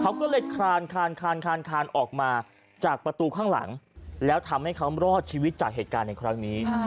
เขาก็เลยคลานออกมาจากประตูข้างหลังแล้วทำให้เขารอดชีวิตจากเหตุการณ์ในครั้งนี้